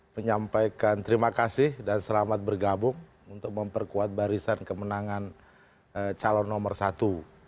menyampaikan terima kasih dan selamat bergabung untuk memperkuat barisan kemenangan calon nomor satu